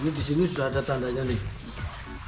ini disini sudah ada tandanya nih